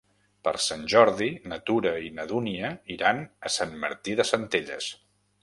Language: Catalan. Per Sant Jordi na Tura i na Dúnia iran a Sant Martí de Centelles.